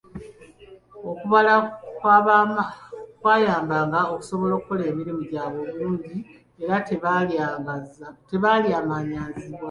Okubala kwabayambanga okusobola okukola emirimu gyabwe obulungi nga tebalyazamaanyizibwa.